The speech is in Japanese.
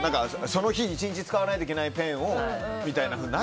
その日、１日使わないといけないペンをみたいに。